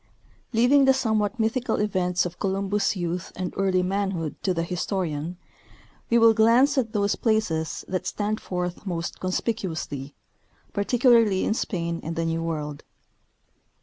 Leaving the somewhat mythical events of Columbus' youth and early manhood to the historian, we will glance at those places that stand forth most conspicuously, particularly in Spain and the New World.